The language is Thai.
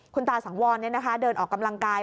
คุณตาสังวรเนี่ยนะคะเดินออกกำลังกาย